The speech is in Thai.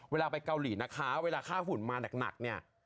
เวลาไปเกาหลีนะคะเวลาค่าฝุ่นมาหนักเนี่ย